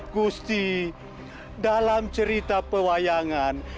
gusti dalam cerita pewayangan